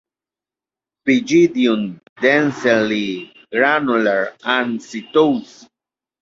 Pygidium densely granular and setose.